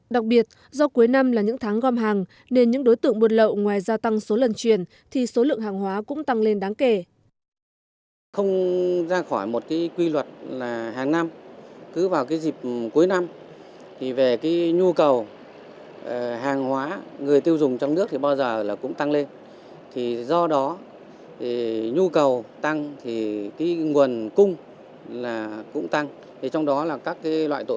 đặc biệt do cuối năm là những tháng gom hàng nên những đối tượng buôn lậu ngoài gia tăng số lần chuyển thì số lượng hàng hóa cũng tăng lên đáng kể